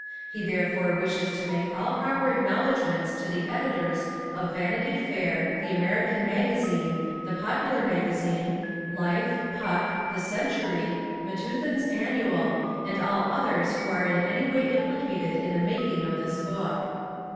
He therefore wishes to make all proper acknowledgments to the editors of Vanity Fair, The American Magazine, The Popular Magazine, Life, Puck, The Century, Methuen's Annual, and all others who are in any way implicated in the making of this book.